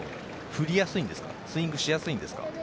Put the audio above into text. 振りやすいんですかスイングしやすいんですか。